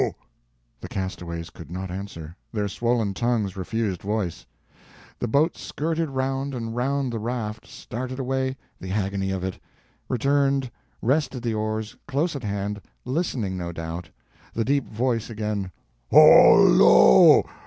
The castaways could not answer; their swollen tongues refused voice. The boat skirted round and round the raft, started away the agony of it! returned, rested the oars, close at hand, listening, no doubt. The deep voice again: "Hol lo!